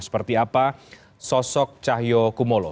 seperti apa sosok cahyokumolo